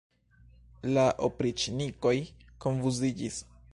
La opriĉnikoj konfuziĝis.